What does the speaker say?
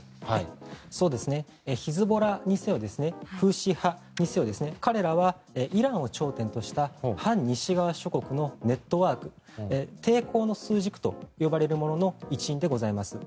ヒズボラにせよフーシ派にせよ彼らはイランを頂点とした反西側諸国のネットワーク抵抗の枢軸といわれるものの一員でございます。